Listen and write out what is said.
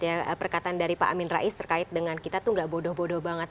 ya perkataan dari pak amin rais terkait dengan kita tuh gak bodoh bodoh banget